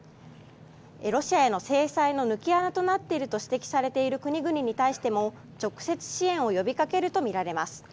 ロシアへの制裁の抜け穴となっていると指摘されている国々に対しても直接支援を呼びかけるとみられます。